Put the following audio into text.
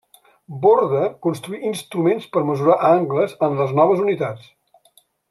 Borda construí instruments per mesurar angles en les noves unitats.